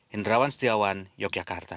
hindrawan setiawan yogyakarta